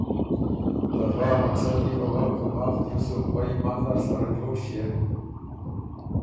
ته فۀ ا مقصد يې او هۀ که ماخ تیوس سُو خوئ منځ نر سره جوړ ݭيېن